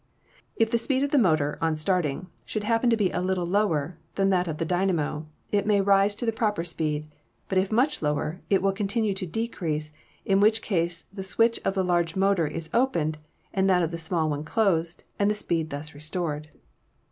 If the speed of the motor, on starting, should happen to be a little lower than that of the dynamo it may rise to the proper speed; but if much lower, it will continue to decrease, in which case the switch of the large motor is opened and that of the small one closed, and the speed thus restored.